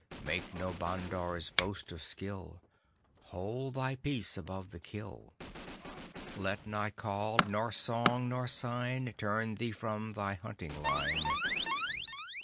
Make no bandar's boast of skill; Hold thy peace above the kill. Let nor call nor song nor sign Turn thee from thy hunting line.